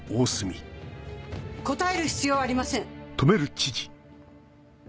答える必要はありません。